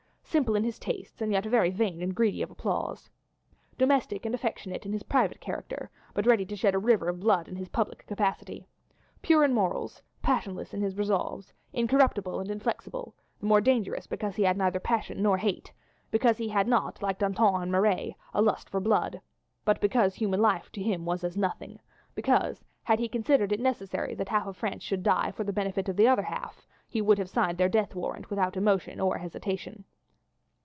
Simple in his tastes, and yet very vain and greedy of applause. Domestic and affectionate in his private character, but ready to shed a river of blood in his public capacity. Pure in morals; passionless in his resolves; incorruptible and inflexible; the more dangerous because he had neither passion nor hate; because he had not, like Danton and Marat, a lust for blood, but because human life to him was as nothing, because had he considered it necessary that half France should die for the benefit of the other half he would have signed their death warrant without emotion or hesitation.